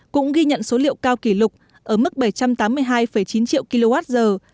cũng ghi nhận số liệu cao kỷ lục ở mức bảy trăm tám mươi hai chín triệu kwh